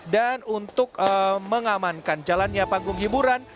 dan untuk mengamankan jalannya panggung hiburan